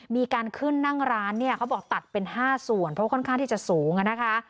มีการขึ้นนั่งร้านเนี่ยเขาบอกตัดเป็น๕ส่วนเพราะค่อนข้างที่จะสูงอะนะคะ